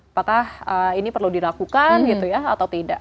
apakah ini perlu dilakukan gitu ya atau tidak